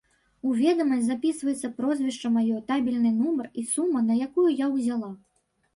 У ведамасць запісваецца прозвішча маё, табельны нумар і сума, на якую я ўзяла.